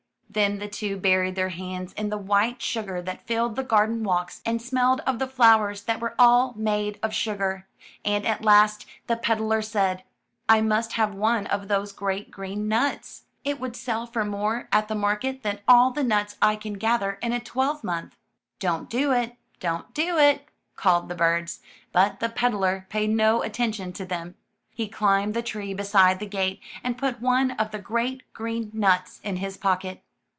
Then the two buried their hands in the white sugar that filled the garden walks and smelled of the flowers that were all made of sugar, and at last the peddler said, '1 must have one of those great green nuts. It would sell for more at the market than all the nuts I can gather in a twelve month." ''Don't do it. Don't do it," called the birds, but the peddler paid no attention to them. He climbed the tree beside the gate and put one of the great green nuts in his pocket.